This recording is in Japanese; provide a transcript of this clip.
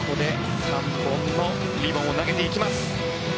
ここで３本のリボンを投げていきます。